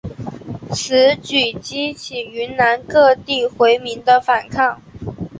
此举激起云南各地回民的反抗。